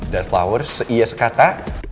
darflower seiya sekata